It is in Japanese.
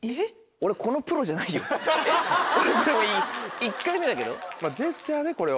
俺１回目だけど。